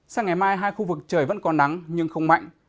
sáng ngày mai hai khu vực trời vẫn có nắng nhưng không mạnh